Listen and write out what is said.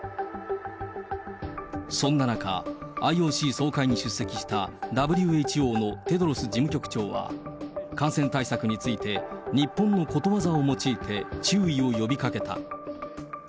そんな中、ＩＯＣ総会に出席したＷＨＯのテドロス事務局長は感染対策について、日本のことわざを用いて注意を呼びかけた。